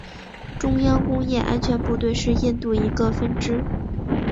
中央工业安全部队是印度一个分支。